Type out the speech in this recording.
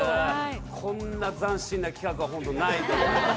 こんな斬新な企画はないと思います。